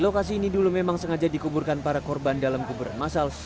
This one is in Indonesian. lokasi ini dulu memang sengaja dikuburkan para korban dalam kuburan masal